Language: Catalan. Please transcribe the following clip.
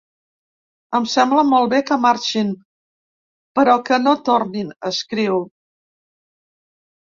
Em sembla molt bé que marxin, però que no tornin, escriu.